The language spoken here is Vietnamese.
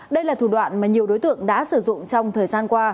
đây là thủ đoạn mà nhiều đối tượng đã sử dụng trong thời gian qua